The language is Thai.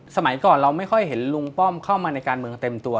สมัยก่อนเราไม่ค่อยเห็นลุงป้อมเข้ามาในการเมืองเต็มตัว